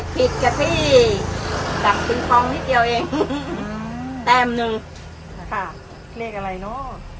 พี่จับคุณฟองนิดเดียวเองอืมแต้มหนึ่งค่ะเลขอะไรเนอะ